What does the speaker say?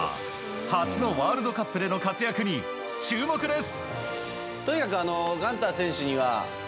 初のワールドカップでの活躍に注目です！